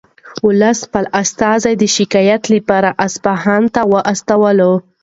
ولس خپل استازي د شکایت لپاره اصفهان ته واستول.